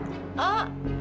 kan ada pembantu